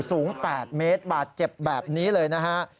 สูง๘เมตรบาดเจ็บแบบนี้เลยนะฮะ